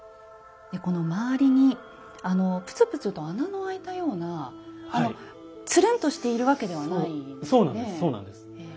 この周りにプツプツと穴の開いたようなつるんとしているわけではないんですね。